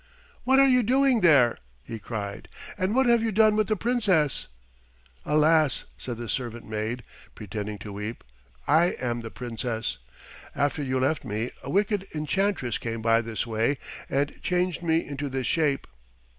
"What are you doing there?" he cried. "And what have you done with the Princess?" "Alas," said the servant maid, pretending to weep, "I am the Princess. After you left me a wicked enchantress came by this way and changed me into this shape."